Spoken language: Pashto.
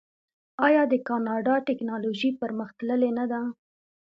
آیا د کاناډا ټیکنالوژي پرمختللې نه ده؟